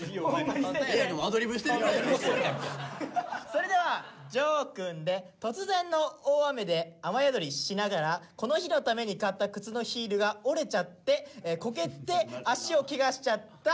それではジョーくんで「突然の大雨で雨宿りしながらこの日のために買った靴のヒールが折れちゃってこけて足をケガしちゃった」。